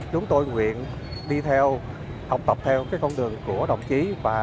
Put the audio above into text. chúng tôi nguyện đi theo học tập theo cái con đường của đồng chí